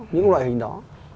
những loại hình đó